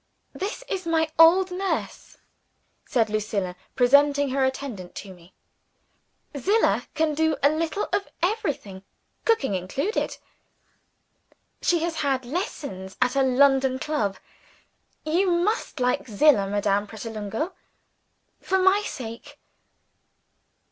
"This is my old nurse," said Lucilla, presenting her attendant to me. "Zillah can do a little of everything cooking included. She has had lessons at a London Club. You must like Zillah, Madame Pratolungo, for my sake.